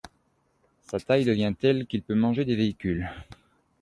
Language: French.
Sa taille devient telle qu'il peut manger des véhicules.